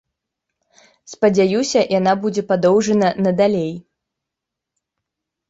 Спадзяюся, яна будзе падоўжана надалей.